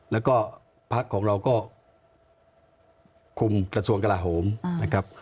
แล้วก็พักของเราก็คุมกระทรวงกระลาโหมนะครับ